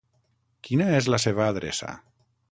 Quina és la seva adreça?